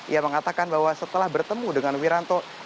ia mengatakan bahwa setelah bertemu dengan wiranto